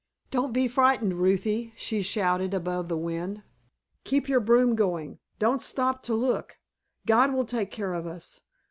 "Don't be frightened, Ruthie," she shouted above the wind. "Keep your broom going! Don't stop to look. God will take care of us.